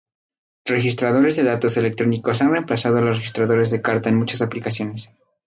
Registradores de datos electrónicos han reemplazado a los registradores de carta en muchas aplicaciones.